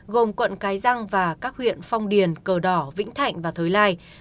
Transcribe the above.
gồm quận cái răng và các huyện phong điền cờ đỏ vĩnh thạnh và thới lai